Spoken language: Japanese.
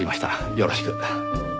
よろしく。